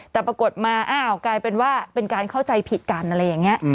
แต่ปรากฏมาอ้าวกลายเป็นว่าเป็นการเข้าใจผิดกันอะไรอย่างนี้